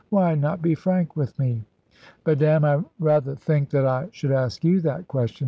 Why not be frank with me?" "Madame, I rather think that I should ask you that question."